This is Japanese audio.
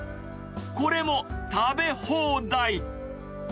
これも食べ放題。